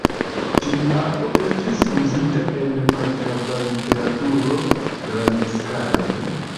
Tiu arbo estis uzita en panĝaba literaturo grandskale.